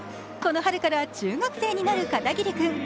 この春から中学生になる片桐君。